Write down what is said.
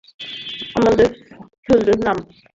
আমার খেজুরের নামে!